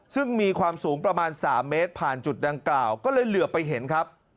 ซึ่งมีความสูงประมาณ๓เมตรผ่านจุดดังกล่าวก็เลยเหลือไปเห็นครับ